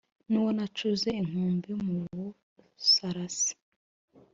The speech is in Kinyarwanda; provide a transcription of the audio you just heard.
N’uwo nacuze inkumbi mu Busarasi